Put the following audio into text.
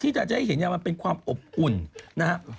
จะให้เห็นมันเป็นความอบอุ่นนะฮะ